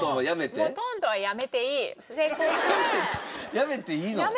やめていいの？